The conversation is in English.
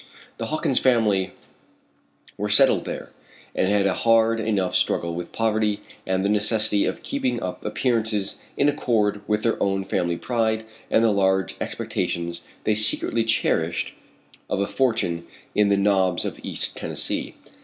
The Hawkins family were settled there, and had a hard enough struggle with poverty and the necessity of keeping up appearances in accord with their own family pride and the large expectations they secretly cherished of a fortune in the Knobs of East Tennessee.